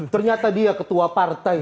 ternyata dia ketua partai